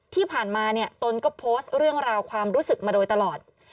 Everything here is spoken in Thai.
ที่ผ่านมาเนี่ยตนก็โพสต์เรื่องราวความรู้สึกมาโดยตลอด